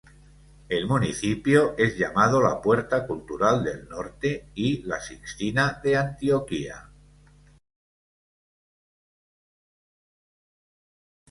El municipio es llamado "La Puerta Cultural del Norte", y "La Sixtina de Antioquia".